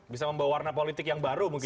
bisa membawa warna politik yang baru mungkin